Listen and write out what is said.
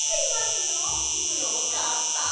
よかった！